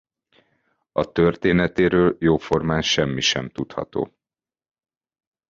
A történetéről jóformán semmi sem tudható.